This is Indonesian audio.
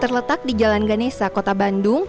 terletak di jalan ganesa kota bandung